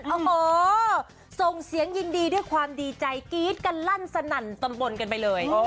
โอ้โหส่งเสียงยินดีด้วยความดีใจกรี๊ดกันลั่นสนั่นตำบลกันไปเลย